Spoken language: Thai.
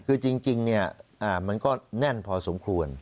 คือจริงจริงเนี่ยอ่ามันก็แน่นพอสมควร